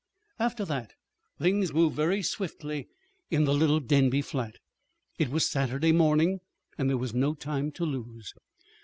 After that things moved very swiftly in the little Denby flat. It was Saturday morning, and there was no time to lose.